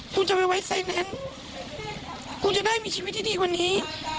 กูจะไปไว้ใจแนนซ์กูจะได้มีชีวิตที่ดีกว่านี้